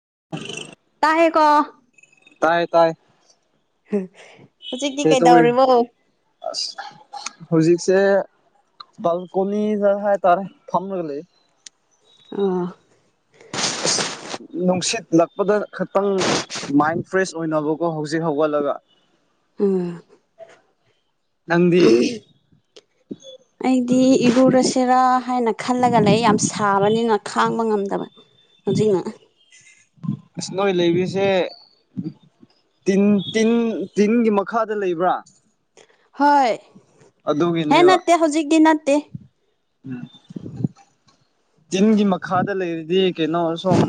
[inaudible] ꯇꯥꯔꯦꯀꯣ ꯇꯥꯏ ꯇꯥꯏ [unintelligible] ꯀꯩꯇꯧꯔꯤ ꯀꯩꯗꯧꯔꯤꯕꯣ ꯑꯣ ꯑꯁ ꯍꯧꯖꯤꯛ ꯁꯦ ꯕꯥꯜꯀꯣꯅꯤꯗ ꯍꯥꯢꯇꯥꯔꯦ ꯐꯝꯔꯒ ꯂꯩ ꯑꯣ ꯑ꯭ꯁ ꯅꯨꯡꯁꯤꯠꯂꯛꯄꯗ ꯈꯇꯪ ꯃꯥꯏꯟ ꯐ꯭ꯔꯦꯁ ꯑꯣꯏꯅꯕꯒꯣ ꯍꯧꯖꯤꯛ ꯍꯧꯒꯠꯂ ꯂꯒ ꯑꯝ ꯅꯪꯗꯤ ꯑꯩꯗꯤ ꯏꯔꯨꯔ ꯁꯤꯔꯥ ꯍꯥꯏꯅ ꯈꯜꯂꯒ ꯂꯩ ꯌꯥꯝ ꯁꯥꯕꯅꯤꯅ ꯈꯥꯡꯕ ꯉꯝꯗꯕ ꯍꯧꯖꯤꯛꯅ ꯑꯁ ꯅꯣꯏ ꯂꯩꯕꯁꯦ ꯇꯤꯟ ꯇꯤꯟ ꯇꯤꯟꯒꯤ ꯃꯈꯥꯗ ꯂꯩꯕ꯭ꯔꯥ ꯍꯣꯏ ꯍꯦ ꯅꯠꯇꯦ ꯍꯧꯖꯤꯛꯀꯤ ꯅꯠꯇꯦ ꯎꯝ ꯇꯤꯟꯒꯤ ꯃꯈꯥꯗ ꯂꯩꯔꯤꯗꯤ ꯀꯩꯅꯣ ꯁꯨꯝ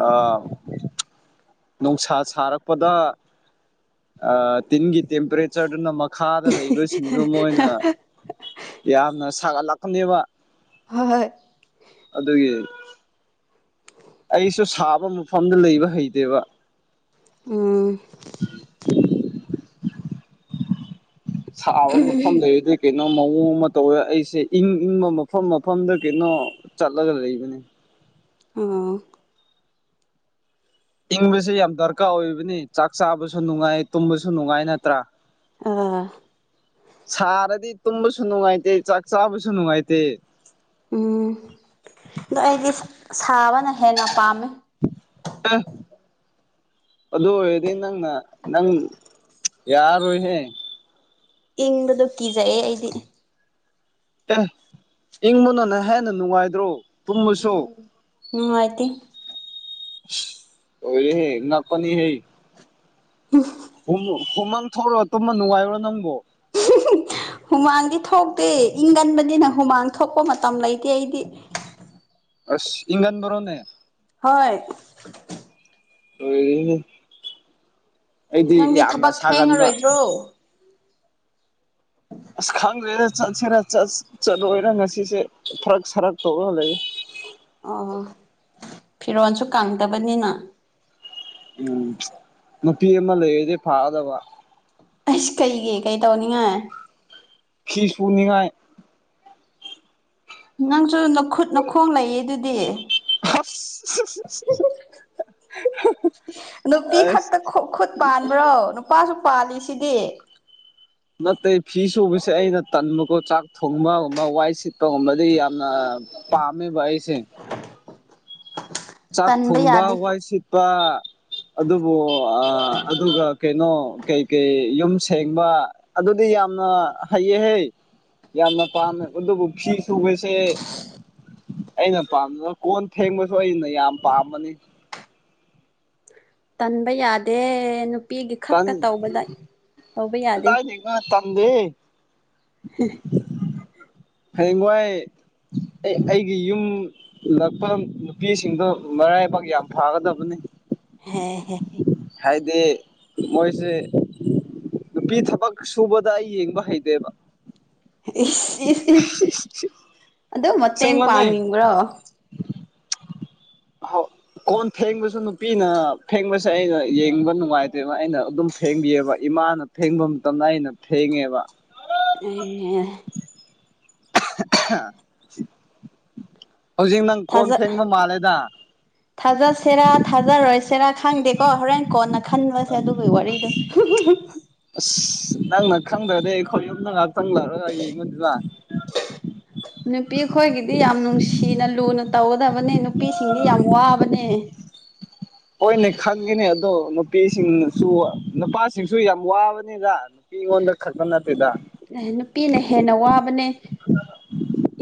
ꯑꯥ ꯅꯨꯡꯁꯥ ꯁꯥꯔꯛꯄꯗ ꯑꯥ ꯇꯤꯟꯒꯤ ꯇꯦꯝꯄꯔꯦꯆ꯭ꯔꯗꯨꯅ ꯃꯈꯥꯗ ꯂꯩꯕꯁꯤꯡꯗꯣ ꯃꯣꯏꯅ ꯌꯥꯝꯅ ꯁꯥꯒꯠꯂꯛꯄꯅꯦꯕ ꯍ ꯍꯣꯏ ꯑꯗꯨꯒꯤ ꯑꯩꯁꯨ ꯁꯥꯕ ꯃꯐꯝꯗ ꯂꯩꯕ ꯍꯩꯇꯦꯕ ꯑꯝ [inaudible] ꯁꯥꯕ ꯃꯐꯝ ꯂꯩꯔꯗ ꯀꯩ ꯅꯪ ꯃꯑꯣꯡ ꯑꯃ ꯇꯧꯋꯦ ꯑꯩꯁꯦ ꯏꯪ ꯏꯪꯕ ꯃꯐꯝ ꯃꯐꯝꯗ ꯀꯩꯅꯣ ꯆꯠꯂꯒ ꯂꯩꯕꯅꯦ ꯑꯣ ꯏꯪꯕꯁꯦ ꯌꯥꯝ ꯗꯔꯀꯥꯔ ꯑꯣꯏꯕꯅꯤ ꯆꯥꯛ ꯆꯥꯕꯁꯨ ꯅꯨꯡꯉꯥꯏ ꯇꯨꯝꯕꯁꯨ ꯅꯨꯡꯉꯥꯏ ꯅꯠꯇ꯭ꯔꯥ ꯑꯥ ꯁꯥꯔꯗꯤ ꯇꯨꯝꯕꯁꯨ ꯅꯨꯡꯉꯥꯏꯇꯦ ꯆꯥꯛ ꯆꯥꯕꯁꯨ ꯅꯨꯡꯉꯥꯏꯇꯦ ꯎꯝ ꯑꯗꯣ ꯑꯩꯗꯤ ꯁꯥꯕꯅ ꯍꯦꯟꯅ ꯄꯥꯝꯃꯦ ꯑꯦ ꯑꯗꯨ ꯑꯣꯏꯔꯗꯤ ꯅꯪꯅ ꯅꯪ ꯌꯥꯔꯣꯏꯍꯦ ꯏꯪꯕꯗꯣ ꯀꯤꯖꯩꯌꯦ ꯑꯩꯗꯤ ꯑꯦ ꯏꯪꯕꯅꯅꯦ ꯍꯦꯟꯅ ꯅꯨꯡꯉꯥꯏꯗ꯭ꯔꯣ ꯇꯨꯝꯃꯁꯨ ꯎꯝ ꯅꯨꯡꯉꯥꯏꯇꯦ ꯏꯁ ꯑꯣꯏꯔꯦ ꯍꯦ ꯅꯛꯄꯅꯤ ꯍꯦ ꯎꯝ ꯍꯨ ꯍꯨꯃꯥꯡ ꯊꯣꯛꯂ ꯇꯨꯝꯕ ꯅꯨꯡꯉꯥꯏꯕꯔꯣ ꯅꯪꯕꯣ ꯍꯨꯃꯥꯡꯗꯤ ꯊꯣꯛꯇꯦ ꯏꯪꯒꯟꯕꯅꯤꯅ ꯍꯨꯃꯥꯡ ꯊꯣꯛꯄ ꯃꯇꯝ ꯂꯩꯇꯦ ꯑꯩꯗꯤ ꯑꯁ ꯏꯒꯟ ꯕꯔꯣꯅꯦ ꯍꯣꯏ ꯂꯣꯏꯅꯤ ꯑꯩꯗꯤ ꯅꯪꯗꯤ ꯌꯥꯝꯅ ꯊꯕꯛ ꯁꯥꯒꯟꯕ ꯊꯦꯡꯉꯔꯣꯏꯗ꯭ꯔꯣ ꯑꯁ ꯈꯪꯗ꯭ꯔꯦꯅꯦ ꯆꯠꯁꯤꯔꯥ ꯆꯠꯂꯨꯔꯣꯏꯔ ꯉꯁꯤꯁꯦ ꯐꯔꯛ ꯁꯔꯛ ꯇꯧꯔ ꯂꯩ ꯑꯣ ꯐꯤꯔꯣꯜꯁꯨ ꯀꯪꯗꯕꯅꯤꯅ ꯎꯝ ꯅꯨꯄꯤ ꯑꯃ ꯂꯩꯔꯗꯤ ꯐꯥꯗꯧꯕ ꯑꯩꯁ ꯀꯩꯒꯤ ꯀꯩ ꯇꯧꯅꯤꯉꯥꯏ ꯐꯤꯁꯨꯅꯤꯡꯉꯥꯏ ꯅꯪꯁꯨ ꯅꯈꯨꯠ ꯅꯈꯣꯡ ꯂꯩꯌꯦ ꯑꯗꯨꯗꯤ ꯑꯁ ꯅꯨꯄꯤ ꯑꯁ ꯈꯛꯇ ꯈꯨꯠ ꯄꯥꯟꯕ꯭ꯔꯣ ꯅꯨꯄꯥꯁꯨ ꯄꯥꯜꯂꯤꯁꯤꯗꯤ ꯅꯠꯇꯦ ꯐꯤ ꯁꯨꯕꯁꯦ ꯑꯩꯅ ꯇꯟꯕꯀꯣ ꯆꯥꯛ ꯊꯣꯡꯕ ꯑꯃ ꯋꯥꯏ ꯁꯤꯠ ꯑꯒꯨꯝꯕꯗꯤ ꯌꯥꯝꯅ ꯄꯥꯝꯃꯦꯕ ꯑꯩꯁꯦ ꯆꯥꯛ ꯇꯟꯕ ꯊꯣꯡꯕ ꯌꯥꯗꯦ ꯋꯥꯏ ꯁꯤꯠꯄ ꯑꯗꯨꯕꯨ ꯑꯥ ꯑꯗꯨꯒ ꯀꯩꯅꯣ ꯀꯩꯀꯩ ꯌꯨꯝ ꯁꯦꯡꯕ ꯑꯗꯨꯗꯤ ꯌꯥꯝꯅ ꯍꯩꯌꯦ ꯍꯩ ꯌꯥꯝꯅ ꯄꯥꯝꯃꯦ ꯑꯗꯨꯕꯨ ꯐꯤ ꯁꯨꯕꯁꯦ ꯑꯩꯅ ꯄꯥꯝꯗꯕ ꯀꯣꯟ ꯐꯦꯡꯕꯁꯨ ꯑꯩꯅ ꯌꯥꯝ ꯄꯥꯝꯕꯅꯤ ꯇꯟꯕ ꯌꯥꯗꯦ ꯅꯨꯄꯤꯒꯤ ꯇꯟ ꯈꯛꯇ ꯇꯧꯕꯗ ꯇꯧꯕ ꯌꯥꯗꯦ ꯈꯪꯗꯦ [unintelligible] ꯍꯌꯦꯡꯋꯥꯏ ꯑꯩ ꯑꯩꯒꯤ ꯌꯨꯝ ꯂꯛꯄ ꯅꯨꯄꯤꯁꯤꯡꯗꯣ ꯃꯔꯥꯏꯕꯥꯛ ꯌꯥꯝ ꯐꯥꯒꯗꯕꯅꯤ ꯍꯦꯍꯦ ꯍꯥꯏꯗꯤ ꯃꯣꯏꯁꯦ ꯅꯨꯄꯤ ꯊꯕꯛ ꯁꯨꯕꯗ ꯑꯩ ꯌꯦꯡꯕ ꯍꯩꯇꯦꯕ ꯏꯁ ꯏꯁ ꯏꯁ ꯑꯗꯨ ꯃꯇꯦꯡ ꯑꯁꯦꯡꯕꯅꯦ ꯄꯥꯡꯅꯤꯡꯕ꯭ꯔꯣ ꯀꯣꯟ ꯐꯦꯡꯕꯁꯨ ꯅꯨꯄꯤꯅ ꯐꯦꯡꯕꯁꯦ ꯑꯩꯅ ꯌꯦꯡꯕ ꯅꯨꯡꯉꯥꯏꯇꯦꯕ ꯑꯩꯅ ꯑꯗꯨꯝ ꯐꯦꯡꯕꯤꯑꯦꯕ ꯏꯃꯥꯅ ꯐꯦꯡꯕ ꯃꯇꯝꯗ ꯑꯩꯅ ꯐꯦꯡꯉꯦꯕ ꯑꯦ ꯑꯍꯥ ꯑꯍꯥ ꯊꯖꯥ ꯊꯖꯥ ꯁꯦꯔꯥ ꯊꯖꯥ ꯔꯣꯏꯁꯦ ꯁꯦꯔꯥ ꯈꯪꯗꯦꯀꯣ ꯍꯣꯔꯦꯟ ꯀꯣꯟꯅ ꯈꯟꯕꯁꯦ ꯑꯗꯨꯒꯤ ꯋꯥꯔꯤꯗꯨ ꯑꯁ ꯅꯪꯅ ꯈꯪꯗ꯭ꯔꯗꯤ ꯑꯩꯈꯣꯏ ꯌꯨꯝꯗ ꯉꯥꯏꯍꯥꯛꯇꯪ ꯂꯥꯛꯔꯒ ꯌꯦꯡꯉꯨꯗꯨꯅ ꯅꯨꯄꯤ ꯑꯈꯣꯏꯒꯤꯗꯤ ꯌꯥꯝ ꯅꯨꯡꯁꯤꯅ ꯂꯨꯅ ꯇꯧꯒꯗꯕꯅꯦ ꯅꯨꯄꯤꯁꯤꯡꯗꯤ ꯌꯥꯝ ꯋꯥꯕꯅꯦ ꯍꯣꯏꯅꯦ ꯈꯪꯉꯤꯅꯦ ꯑꯗꯣ ꯅꯨꯄꯤꯁꯤꯡꯅꯁꯨ ꯅꯨꯄꯥꯁꯤꯡꯁꯨ ꯌꯥꯝ ꯋꯥꯕꯅꯤꯗ ꯅꯨꯄꯤꯉꯣꯟꯗ ꯈꯛꯇ ꯅꯠꯇꯦꯗ ꯑꯦ ꯅꯨꯄꯤꯅ ꯍꯦꯟꯅ ꯋꯥꯕꯅꯦ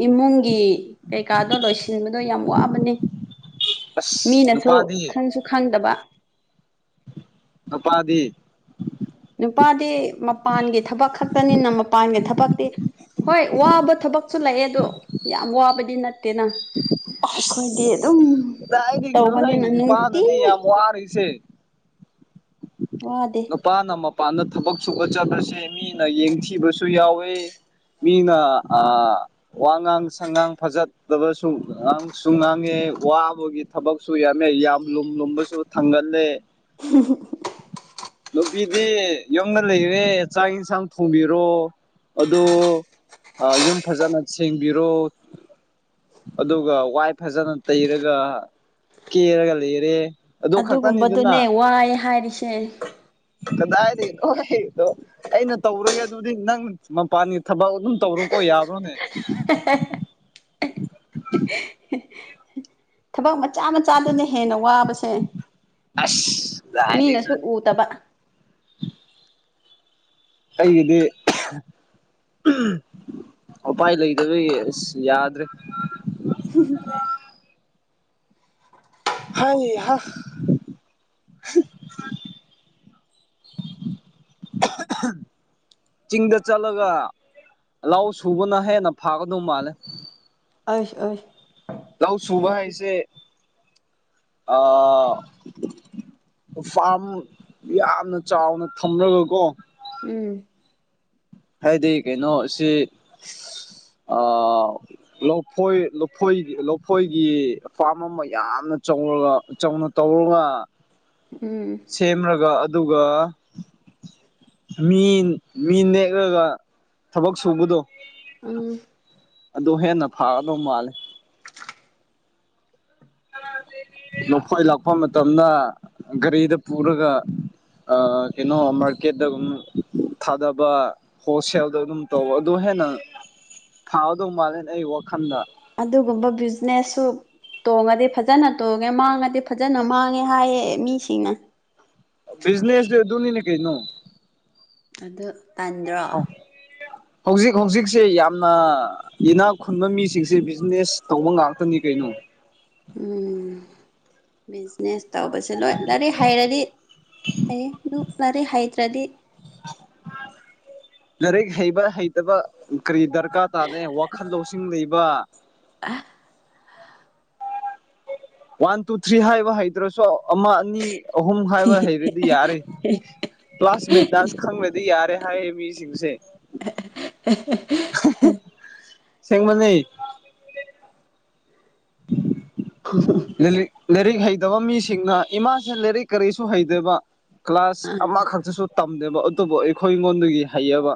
ꯏꯃꯨꯡꯒꯤ ꯀꯩꯀꯥꯗꯣ ꯂꯣꯏꯁ ꯁꯤꯟꯕꯗꯣ ꯌꯥꯝ ꯋꯥꯕꯅꯤ ꯑꯁ ꯃꯤꯅꯁꯨ ꯅꯨꯄꯥꯗꯤ ꯈꯪꯁꯨ ꯈꯪꯗꯕ ꯅꯨꯄꯥ ꯗꯤ ꯅꯨꯄꯥꯗꯤ ꯃꯄꯥꯟꯒꯤ ꯊꯕꯛ ꯈꯛꯇꯅꯤꯅ ꯃꯄꯥꯟꯒꯤ ꯊꯕꯛꯇꯤ ꯍꯣꯏ ꯋꯥꯕ ꯊꯕꯛꯁꯨ ꯂꯩꯑꯦ ꯑꯗꯣ ꯌꯥꯝ ꯋꯥꯕꯗꯤ ꯅꯠꯇꯦ INAUDIBLE ꯈꯣꯏꯗꯤ UNINTELLIGIBLE ꯋꯥꯗꯦ ꯅꯨꯄꯥꯅ ꯃꯄꯥꯟꯗ ꯊꯕꯛ ꯁꯨꯕ ꯆꯠꯄꯖꯦ ꯃꯤꯅ ꯌꯦꯡꯊꯤꯕꯁꯨ ꯌꯥꯎꯋꯦ ꯃꯤꯅ ꯑꯥ ꯋꯥꯉꯥꯡ-ꯁꯉꯥꯡ ꯐꯖ ꯗꯕꯁꯨ ꯉꯥꯡꯁꯨ- ꯉꯥꯡꯉꯦ ꯋꯥꯕꯒꯤ ꯊꯕꯛꯁꯨ ꯌꯥꯝꯃꯦ ꯌꯥꯝ ꯂꯨꯝ ꯂꯨꯝꯕꯁꯨ ꯊꯥꯡ UNINTELLIGIBLE INAUDIBLE ꯅꯨꯄꯤꯗꯤ ꯌꯨꯝꯗ ꯂꯩꯔꯦ ꯆꯥꯛ-ꯏꯟꯁꯥꯡ ꯊꯣꯡꯕꯤꯔꯣ ꯑꯗꯣꯑꯣ ꯑꯥ ꯌꯨꯝ ꯐꯖꯅ ꯁꯦꯡꯕꯤꯔꯣ ꯑꯗꯨꯒ ꯋꯥꯏ ꯐꯖꯅ ꯇꯩꯔꯒ ꯀꯦꯔꯒ ꯂꯩꯔꯦ ꯑꯗꯨ ꯈꯛꯇꯅꯤꯗꯅ ꯑꯗꯨꯒꯨꯝꯕꯗꯨꯅꯦ ꯋꯥꯏ ꯍꯥꯏꯔꯤꯁꯦ ꯀꯗꯥꯏꯗꯩ ꯑꯣꯏ ꯑꯗꯣ ꯑꯩꯅ ꯇꯧꯔꯒꯦ ꯑꯗꯨꯗꯤ ꯅꯪ ꯃꯄꯥꯟꯒꯤ ꯊꯕꯛ ꯑꯗꯨꯝ ꯇꯧꯔꯣꯀꯣ ꯌꯥꯕ꯭ꯔꯣꯅꯦ INAUDIBLE ꯊꯕꯛ ꯃꯆꯥ ꯃꯆꯥꯗꯨꯅ ꯍꯦꯟꯅ ꯋꯥꯕꯁꯦ ꯑꯁ ꯃꯤꯅꯁꯨ ꯀꯗꯥꯏꯗꯩꯅꯣꯅꯦ ꯎꯗꯕ ꯑꯩꯒꯤꯗꯤ ꯎꯄꯥꯏ ꯂꯩꯇꯕꯒꯤ ꯑꯥꯁ ꯌꯥꯗ꯭ꯔꯦ INAUDIBLE ꯍꯧꯍꯥ INAUDIBLE ꯆꯤꯡꯗ ꯆꯠꯂꯒ ꯂꯧꯁꯨꯕꯅ ꯍꯦꯟꯅ ꯐꯥꯒꯗꯧ ꯃꯥꯜꯂꯦ ꯑꯩꯁ ꯑꯩꯁ ꯂꯧ ꯁꯨꯕ ꯍꯥꯏꯁꯦ ꯑꯥꯑꯥ ꯌꯥꯝꯅ ꯆꯥꯎꯅ ꯊꯝꯂꯒꯀꯣ ꯎꯪ ꯍꯥꯏꯗꯤ ꯀꯩꯅꯣ ꯁꯤ ꯑꯥ ꯑꯥ ꯂꯧꯐꯣꯏ ꯂꯐꯣꯏꯒꯤ ꯂꯧꯐꯣꯏꯒꯤ ꯐꯥꯝ ꯑꯃ ꯌꯥꯝꯅ ꯆꯧꯔꯒ ꯆꯥꯎꯅ ꯇꯧꯔꯒ ꯎꯝ ꯁꯦꯝꯔꯒ ꯑꯗꯨꯒꯥ ꯃꯤ ꯃꯤꯅꯦꯛ ꯄꯤꯔꯒ ꯊꯕꯛ ꯁꯨꯕꯗꯣ ꯑꯪ ꯑꯗꯨ ꯍꯦꯟꯅ ꯐꯥꯒꯗꯧ ꯃꯥꯜꯂꯦ ꯂꯐꯣꯢ ꯂꯥꯛꯄ ꯃꯇꯝꯗ ꯒꯥꯔꯤꯗ ꯄꯨꯔꯒꯥ ꯑꯥ ꯀꯩꯅꯣ ꯃꯥꯔꯀꯦꯠꯗ ꯒꯨꯝ ꯊꯥꯗꯕ ꯍꯣꯜꯁꯦꯜꯗ ꯑꯗꯨꯝ ꯇꯧ ꯑꯗꯨ ꯍꯦꯟꯅ ꯊꯥꯎꯗꯧ ꯃꯥꯜꯂꯦ ꯑꯩ ꯋꯥꯈꯟꯗ꯫ ꯑꯗꯨꯒꯨꯝꯕ ꯕꯤꯖꯤꯅꯦꯁꯁꯨ ꯇꯣꯡꯉꯗꯤ ꯐꯖꯅ ꯇꯣꯡꯉꯦ ꯃꯥꯡꯉꯗꯤ ꯐꯖꯅ ꯃꯥꯡꯉꯦ ꯍꯥꯏꯌꯦ ꯃꯤꯁꯤꯡꯅ꯫ ꯕꯤꯖꯤꯅꯦꯁꯗꯤ ꯑꯗꯨꯅꯤꯅꯦ ꯀꯩꯅꯣ꯫ ꯑꯗꯨ ꯇꯟꯗ꯭ꯔꯣ? ꯍꯧꯖꯤꯛ ꯍꯧꯖꯤꯛꯁꯦ ꯌꯥꯝꯅ ꯏꯅꯥ ꯈꯨꯟꯕ ꯃꯤꯁꯤꯡꯁꯦ ꯕꯤꯖꯤꯅꯦꯁ ꯇꯧꯕ ꯉꯥꯛꯇꯅꯤ ꯀꯩꯅꯣ꯫ [inaudible] ꯎꯝ ꯕꯤꯖꯤꯅꯦꯁ ꯇꯧꯕꯁꯦ ꯂꯣꯏ ꯂꯥꯏꯔꯤꯛ ꯍꯩꯔꯗꯤ ꯐꯩꯌꯦ ꯑꯗꯨ ꯂꯥꯏꯔꯤꯛ ꯍꯩꯇ꯭ꯔꯗꯤ ꯂꯥꯏꯔꯤꯛ ꯍꯩꯕ ꯍꯩꯇꯕ ꯀꯔꯤ ꯗꯔꯀꯥꯔ ꯇꯥꯗꯦ ꯋꯥꯈꯜ ꯂꯧꯁꯤꯡ ꯂꯩꯕ [unintelligible] ꯋꯥꯟ ꯇꯨ ꯊ꯭ꯔꯤ ꯍꯥꯏꯕ ꯍꯩꯗ꯭ꯔꯁꯣ ꯑꯃ ꯑꯅꯤ ꯑꯍꯨꯝ ꯍꯥꯏꯕ ꯍꯩꯔꯗꯤ ꯌꯥꯔꯦ ꯀ꯭ꯂꯥꯁꯃꯦꯗꯥꯁ ꯈꯪꯔꯗꯤ ꯌꯥꯔꯦ꯫ ꯍꯥꯏꯑꯦ ꯃꯤꯁꯤꯡꯁꯦ [unintelligible] ꯊꯦꯡꯃꯜꯂꯦ꯫ ꯂꯔꯤꯛ ꯂꯥꯏꯔꯤꯛ ꯍꯩꯇꯕ ꯃꯤꯁꯤꯡꯅ ꯏꯃꯥꯥꯁꯦ ꯂꯥꯏꯔꯤꯛ ꯀꯔꯤꯁꯨ ꯍꯩꯇꯕ ꯀ꯭ꯂꯥꯁ ꯑꯃꯈꯛꯇꯁꯨ ꯇꯝꯗꯦꯕ ꯑꯗꯨꯕꯨ ꯑꯩꯈꯣꯏꯉꯣꯟꯗꯒꯤ ꯍꯩꯌꯦꯕ꯫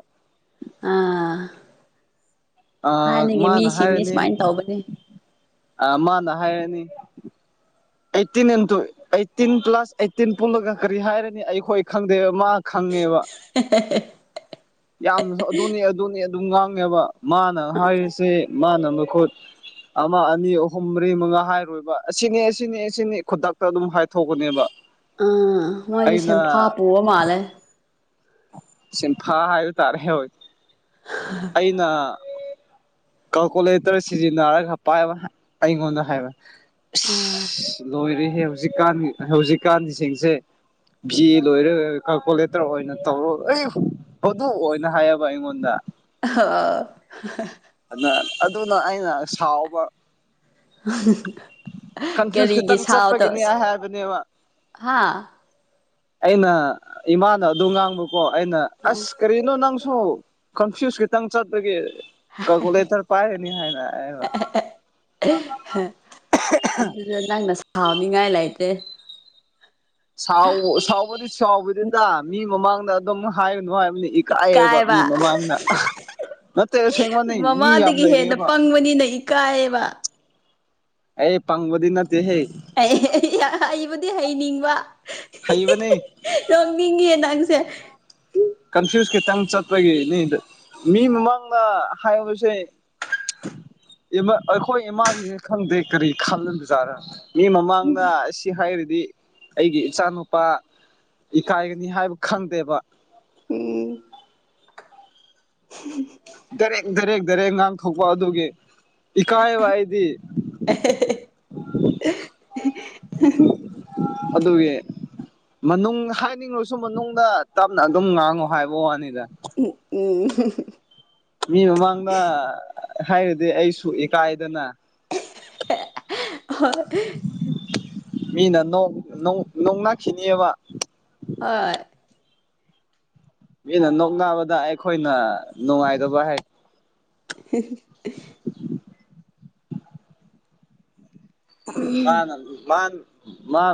ꯑꯥ ꯑ ꯊꯥꯏꯅꯒꯤ ꯃꯤꯁꯤꯡꯅꯦ ꯁꯨꯃꯥꯏꯅ ꯇꯧꯕꯅꯦ꯫ ꯑꯥ ꯃꯥꯅ ꯍꯥꯏꯔꯅꯤ꯫ ꯑꯩꯠꯇꯤꯟ ꯏꯟꯊꯨ ꯑꯩꯠꯇꯤꯟ ꯄ꯭ꯂꯥꯁ ꯑꯩꯠꯇꯤꯟ ꯄꯨꯜꯂꯒ ꯀꯔꯤ ꯍꯥꯏꯔꯅꯤ ꯑꯩꯈꯣꯏ ꯈꯪꯗꯦ ꯃꯥ ꯈꯪꯉꯦꯕ ꯌꯥꯝꯅꯁꯨ ꯑꯗꯨꯅꯦ ꯑꯗꯨꯅꯦ ꯑꯗꯨꯝ ꯉꯥꯡꯉꯦꯕ꯫ ꯃꯥꯅ ꯍꯥꯏꯔꯤꯁꯤ ꯃꯥꯅ ꯑꯃꯨꯛ ꯨꯈꯨꯠ ꯑꯃ ꯑꯅꯤ ꯑꯍꯨꯝ ꯃꯔꯤ ꯃꯉꯥ ꯍꯥꯏꯔꯣꯏꯕ ꯑꯁꯤꯅꯦ ꯁꯤꯅꯦ ꯁꯤꯅꯦ ꯈꯨꯗꯛꯇ ꯑꯗꯨꯝ ꯍꯥꯏꯊꯣꯛꯄꯅꯦꯕ ꯑꯥ ꯃꯣꯏꯗꯤ ꯁꯦꯝꯐꯥ ꯄꯨꯨꯕ ꯃꯥꯂꯦ꯫ ꯁꯦꯟꯐꯥ ꯍꯥꯏꯕ ꯇꯥꯔꯦ ꯍꯣꯢ꯫ ꯑꯩꯅ ꯀꯥꯜꯀꯨꯂꯦꯇꯔ ꯁꯤꯖꯤꯟꯅꯔꯒ ꯄꯥꯏꯕ ꯑꯩꯉꯣꯟꯗ ꯍꯥꯏꯕ ꯑꯥ ꯏꯁ ꯂꯣꯏꯔꯦ ꯍꯦ ꯍꯨꯖꯤꯛꯀꯥꯟ ꯍꯧꯖꯤꯛꯀꯥꯟꯁꯤꯡꯁꯦ ꯚꯤ ꯂꯣꯏꯔꯒ ꯀꯥꯜꯀꯨꯂꯦꯇꯔ ꯑꯣꯏꯅ ꯇꯧꯔꯣ [unintelligible] ꯑꯗꯨ ꯑꯣꯏꯅ ꯍꯥꯏꯌꯦꯕ ꯑꯩꯉꯣꯟꯗ꯫ ꯍ [unintelligible] ꯑꯅ ꯑꯗꯨ ꯑꯗꯨꯅ ꯑꯩꯅ ꯁꯥꯎꯕ꯫ [unintelligible] ꯀꯟꯐ꯭ꯌꯨꯁ ꯀꯔꯤꯒꯤ ꯈꯤꯇꯪ ꯁꯥꯥꯎꯗ ꯆꯠꯄꯒꯤꯅꯤ ꯍꯥꯏꯕꯅꯦꯕ ꯍꯥꯥ ꯑꯩꯅ ꯏꯃꯥꯅ ꯑꯗꯨ ꯉꯥꯡꯕꯀꯣ ꯑꯩꯅ ꯑꯁ ꯀꯔꯤꯅꯣ ꯅꯪ ꯁꯨ ꯀꯟꯐ꯭ꯌꯨꯁ ꯈꯤꯇꯪ ꯆꯠꯄꯒꯤ ꯀꯥꯜꯀꯨꯂꯦꯇꯔ ꯄꯥꯣꯔꯅꯤ ꯍꯥꯢꯅ ꯍꯥꯏꯕ꯫ ꯑꯗꯨꯗ ꯅꯪꯅ ꯁꯥꯎꯅꯤꯡꯉꯥꯏ ꯂꯩꯇꯦ꯫ ꯁꯥꯎ ꯁꯥꯎꯕꯗꯤ ꯁꯥꯎꯕꯤꯗꯦꯗ ꯃꯤ ꯃꯃꯥꯡꯗ ꯑꯗꯨꯝ ꯍꯥꯏ ꯅꯣ ꯍꯥꯏꯕꯅꯤ ꯏꯀꯥꯏꯌꯦꯕ ꯃꯤ ꯏꯀꯥꯏꯕ ꯃꯃꯥꯡꯅ꯫ ꯅꯠꯇꯦ ꯑꯁꯦꯡꯕꯅꯤ ꯃꯤ ꯌꯥꯝ ꯃꯃꯥꯗꯒꯤ ꯍꯦꯟꯅ ꯂꯩꯔꯤꯌꯦꯕ꯫ ꯄꯪꯕꯅꯤꯅ ꯏꯀꯥꯏꯌꯦꯕ ꯑꯩ ꯄꯪꯕꯗꯤ ꯅꯠꯇꯦ ꯍꯦ꯫ ꯑꯩ ꯍꯩꯕꯨꯗꯤ ꯍꯩꯅꯤꯡꯕ ꯍꯩꯕꯅꯤ ꯅꯣꯡꯅꯤꯡꯉꯦ ꯅꯪꯁꯦ ꯀꯟꯐ꯭ꯌꯨꯁ ꯈꯤꯇꯪ ꯆꯠꯄꯒꯤꯅꯤꯗ ꯃꯤ ꯃꯃꯥꯡꯗ ꯍꯥꯏꯕꯁꯦ ꯏꯕ ꯑꯩꯈꯣꯏ ꯏꯃꯥꯁꯤꯁꯦ ꯈꯪꯗꯦ ꯀꯔꯤ ꯈꯜꯂꯖꯥꯔꯥ ꯃꯤ ꯃꯃꯥꯡꯗ ꯑꯁꯤ ꯍꯥꯏꯔ ꯗꯤ ꯑꯩꯒꯤ ꯏꯆꯥ ꯅꯨꯨꯄꯥ ꯏꯀꯥꯏꯒꯅꯤ ꯍꯥꯏꯕ ꯈꯪꯗꯦꯕ ꯎꯝ [unintelligible] ꯗꯥꯢꯔꯦꯛ ꯗꯥꯢꯔꯦꯛ ꯗꯥꯢꯔꯦꯛ ꯉꯥꯡ ꯊꯣꯛꯄ ꯑꯗꯨꯒꯤ ꯏꯀꯥꯥꯌꯦꯕ ꯑꯩꯗꯤ [unintelligible] ꯑꯗꯨꯒꯤ ꯃꯅꯨꯡ ꯍꯥꯏꯅꯤꯡꯂꯨꯁꯨ ꯃꯅꯨꯡꯗ ꯇꯞꯅ ꯑꯗꯨꯝ ꯉꯥꯡꯉꯣ ꯍꯥꯏꯕ ꯋꯥꯅꯤꯗ ꯎꯝ ꯎꯝ ꯃꯤ ꯃꯃꯥꯡꯗ ꯍꯥꯏꯔꯗꯤ ꯑꯩꯁꯨ ꯏꯀꯥꯏꯗꯅ [unintelligible] ꯃꯤꯅ ꯅꯣꯛ ꯅꯣꯛ ꯅꯣꯡꯅꯈꯤꯅꯤꯕ ꯍꯣꯏ ꯃꯤꯅ ꯅꯣꯛꯅꯕꯗ ꯑꯩꯈꯣꯏꯅ ꯅꯨꯡꯉꯥꯏꯗꯕ ꯍꯥꯏ [unintelligible] ꯃꯥꯅ ꯃꯥꯟ ꯃꯥ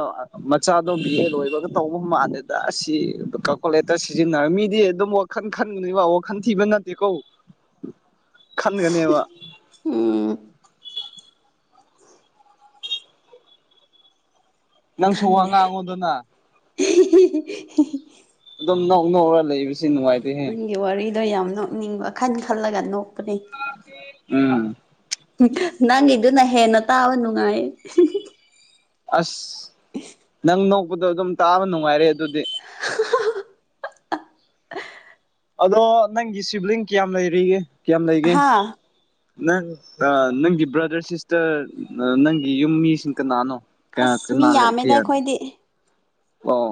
ꯃꯆꯥꯗꯣ ꯕꯤ ꯑꯦ ꯂꯣꯏꯕꯒ ꯇꯧꯕ ꯃꯥꯜꯂꯦꯗ ꯑꯁꯤ ꯀꯥꯜꯀꯨꯂꯦꯇꯔ ꯁꯤꯖꯤꯟꯅ ꯃꯤꯗꯤ ꯑꯗꯨꯝ ꯋꯥꯈꯟ ꯈꯟꯒꯅꯤꯕ ꯋꯥꯈꯟ ꯊꯤꯕ ꯅꯠꯇꯦꯀꯣ ꯈꯟꯒꯅꯦꯕ ꯎꯝ ꯅꯪꯁꯨ ꯋꯥ ꯈꯪꯗꯦ ꯉꯥꯡꯉꯣꯗꯅ ꯑꯗꯨꯝ ꯅꯣ ꯗꯨꯝ ꯅꯣꯛꯔ ꯂꯩꯕꯁꯦ ꯅꯨꯡꯉꯥꯏꯇꯦꯍꯦ ꯈꯔ ꯌꯥꯝ ꯅꯣꯛꯅꯤꯡꯕ ꯈꯟ ꯈꯜꯂꯒ ꯅꯣꯛ ꯎꯝ ꯅꯪꯒꯤꯗꯨꯅ ꯍꯦꯟꯅ ꯇꯥꯕ ꯅꯨꯡꯉꯥꯏ ꯑꯁ ꯅꯪ ꯅꯣꯛꯄꯗꯣ ꯑꯗꯨꯝ ꯇꯥꯕ ꯅꯨꯡꯉꯥꯏꯔꯦ ꯑꯗꯨꯗꯤ [unintelligible] ꯑꯗꯣ ꯅꯪꯒꯤ ꯁꯤꯕ꯭ꯂꯤꯡ ꯀꯌꯥꯝ ꯂꯩꯔꯤꯒꯦ ꯀꯌꯥꯝ ꯂꯩꯒꯦ ꯍꯥ ꯅꯪ ꯅꯪꯒꯤ ꯕ꯭ꯔꯗ꯭ꯔ ꯁꯤꯁꯇ꯭ꯔ ꯅꯪꯒꯤ ꯌꯨꯝ ꯃꯤꯁꯤꯡ ꯀꯅꯥꯅꯣ ꯀꯅꯥ ꯑꯁ ꯃꯤ ꯀꯅꯥ ꯂꯩ ꯌꯥꯝꯃꯦꯗ ꯀꯌꯥ ꯑꯩꯈꯣꯏꯗꯤ ꯑꯣ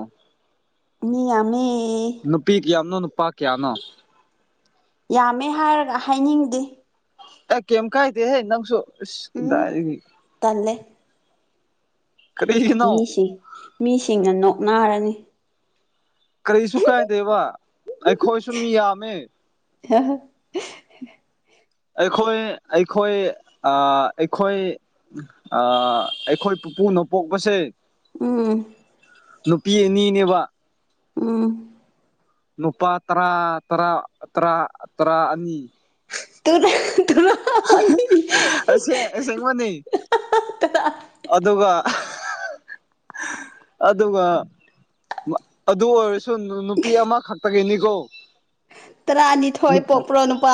ꯃꯤ ꯌꯥꯝꯃꯦ ꯅꯨꯄꯤ ꯀꯌꯥꯝꯅꯣ ꯅꯨꯄꯥ ꯀꯌꯥꯅꯣ ꯌꯥꯝꯃꯦ ꯍꯥꯏꯔꯒ ꯍꯥꯏꯅꯤꯡꯗꯦ ꯑ ꯀꯦꯝ ꯀꯥꯏꯗꯦꯍꯦ ꯅꯪꯁꯨ ꯏꯁ ꯎꯝ ꯀꯗꯥꯏꯗꯒꯤ ꯇꯜꯂꯦ ꯀꯔꯤꯒꯤꯅꯣ ꯃꯤꯁꯤꯡ ꯃꯤꯁꯤꯡꯅ ꯅꯣꯛꯅꯔꯅꯤ ꯀꯔꯤꯁꯨ ꯀꯥꯏꯗꯦꯕ ꯑꯩꯈꯣꯏꯁꯨꯨꯝ ꯃꯤ ꯌꯥꯝꯃꯦ [unintelligible] ꯑꯩꯈꯣꯏ ꯑꯩꯈꯣꯏ ꯑ ꯑꯩꯈꯣꯏ ꯑ ꯑꯩꯈꯣꯏ ꯄꯨꯨꯅ ꯄꯣꯛꯄꯁꯦ ꯎꯝ ꯅꯨꯄꯤ ꯑꯅꯤꯅꯦꯕ ꯎꯝ ꯅꯨꯄꯥ ꯇꯔꯥ ꯇꯔꯥ ꯇꯔꯥ ꯇꯔꯥ ꯑꯅꯤ ꯇꯨꯅꯦ [unintelligible] ꯑꯁꯦꯡ ꯑꯁꯦꯡꯕꯅꯦ ꯑꯗꯨꯒ [unintelligible] ꯑꯗꯨꯒ ꯃꯥ ꯑꯗꯨ ꯑꯣꯏꯔꯁꯨ ꯅꯨꯄꯤ ꯑꯃꯈꯛꯇꯒꯤꯅꯤꯀꯣ ꯇꯔꯥꯅꯤꯊꯣꯏ ꯄꯣꯛꯄ꯭ꯔꯣ ꯅꯨꯨꯄꯥ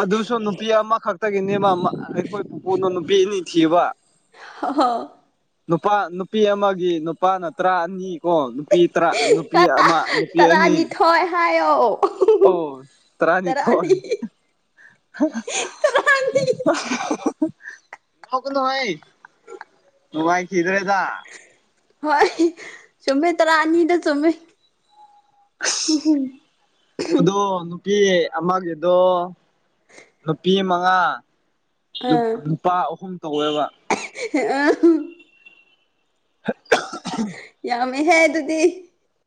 ꯑꯗꯨꯁꯨ ꯅꯨꯄꯤ ꯑꯃꯈꯛꯇꯒꯤꯅꯦꯃ ꯃꯥ ꯑꯩꯈꯣꯏ ꯄꯨꯄꯨꯅ ꯅꯨꯄꯤ ꯑꯅꯤ ꯊꯤꯕ ꯍ ꯅꯨꯄꯥ ꯅꯨ ꯅꯨꯄꯤ ꯑꯃꯒꯤ ꯅꯨꯄꯥꯅ ꯇꯔꯥ ꯑꯅꯤ ꯀꯣ ꯅꯨꯄꯤ ꯇꯔꯥ ꯅꯨꯄꯤ ꯑꯃ ꯅꯨꯄꯤ ꯑꯅꯤ ꯇꯔꯥꯅꯤꯊꯣꯏ ꯍꯥꯏꯌꯣ ꯑꯣ ꯇꯔꯥꯅꯤ ꯇꯔꯥꯅꯤꯊꯣꯏ [unintelligible] ꯇꯔꯥꯅꯤ [unintelligible] ꯍꯧꯒꯠꯂꯣꯍꯩ ꯅꯨꯡꯉꯥꯏꯈꯤꯗꯔꯦꯗ ꯍꯣꯏ ꯆꯨꯝꯃꯦ ꯇꯔꯥ ꯑꯅꯤꯗ ꯆꯨꯝꯃꯦ ꯎꯝ ꯍꯝ ꯑꯗꯣ ꯅꯨꯄꯤ ꯑꯃꯒꯤꯗꯣ ꯅꯨꯄꯤ ꯃꯉꯥ ꯑꯥ ꯑꯗꯨꯕꯨ ꯅꯨꯄꯥ ꯑꯍꯨꯝ ꯇꯧꯋꯦꯕ [unintelligible] ꯌꯥꯝꯃꯦꯍꯦ ꯑꯗꯨꯗꯤ